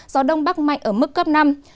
gió đông bắc mạnh ở mức cấp năm